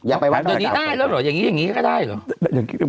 อยากไปวัดดอนเมืองอย่างนี้ได้แล้วเหรออย่างนี้ก็ได้เหรอ